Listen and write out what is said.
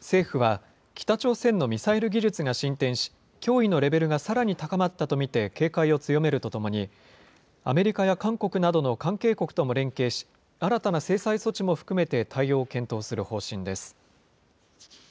政府は、北朝鮮のミサイル技術が進展し、脅威のレベルがさらに高まったと見て、警戒を強めるとともに、アメリカや韓国などの関係国とも連携し、新たな制裁措置も含めて対応を検討する方針です。